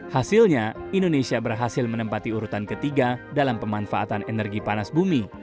hasilnya indonesia berhasil menempati urutan ketiga dalam pemanfaatan energi panas bumi